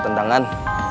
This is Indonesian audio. saya sudah berubah